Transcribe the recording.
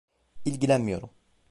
İlgilenmiyorum.